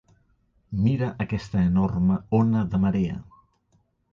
Mira aquesta enorme ona de marea.